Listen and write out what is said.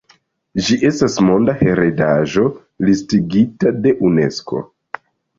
Ĝi estas Monda Heredaĵo listigita de Unesko.